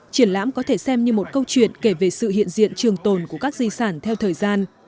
triển lãm có thể xem như một câu chuyện kể về sự hiện diện trường tồn của các di sản theo thời gian